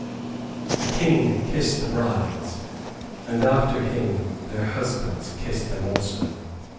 The King kissed the brides, and after him their husbands kissed them also.